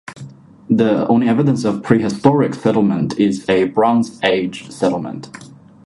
The only evidence of prehistoric settlement is a Bronze Age settlement.